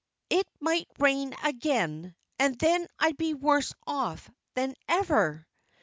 "It might rain again; and then I'd be worse off than ever."